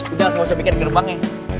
udah gue mau sembikin gerbangnya